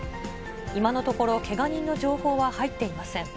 今のところ、けが人の情報は入っていません。